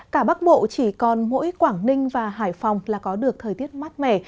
cả bắc bộ chỉ còn mỗi quảng ninh và hải phòng là có được thời tiết mát mẻ